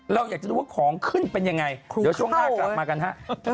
เราอยากจะดูว่าของขึ้นเป็นยังไงเดี๋ยวช่วงหน้ากลับมากันฮะ